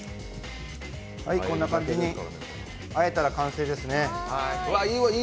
こんな感じに和えたら完成ですね。